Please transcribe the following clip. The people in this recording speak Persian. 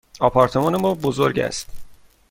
آپارتمان ما بزرگ است.